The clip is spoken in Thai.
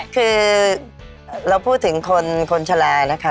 คือเราพูดถึงคนชะลานะคะ